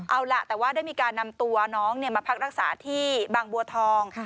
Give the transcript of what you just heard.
เอาล่ะแต่ว่าได้มีการนำตัวน้องมาพักรักษาที่บางบัวทอง